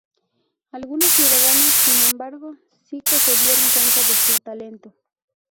Algunos ciudadanos, sin embargo, sí que se dieron cuenta de su talento.